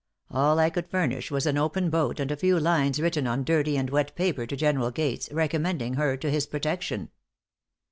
All I could furnish was an open boat, and a few lines written on dirty and wet paper to General Gates, recommending her to his protection."